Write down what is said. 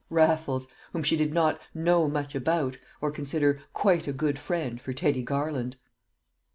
Raffles, whom she did not "know much about," or consider "quite a good friend" for Teddy Garland!